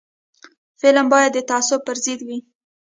فلم باید د تعصب پر ضد وي